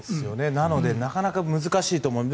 なので、なかなか難しいと思います。